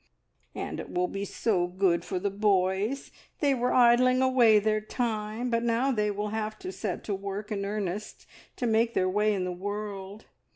"And it will be so good for the boys! They were idling away their time, but now they will have to set to work in earnest to make their way in the world.